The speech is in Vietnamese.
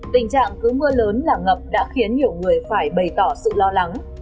tình trạng cứ mưa lớn là ngập đã khiến nhiều người phải bày tỏ sự lo lắng